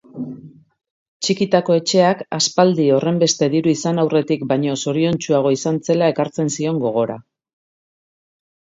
Txikitako etxeak aspaldi horrenbeste diru izan aurretik baino zoriontsuago izan zela ekartzen zion gogora.